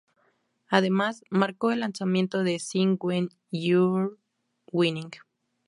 Además, marcó el lanzamiento de "Sing When You're Winning".